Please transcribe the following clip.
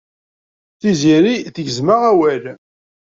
Tiziri tegzem-aɣ awal.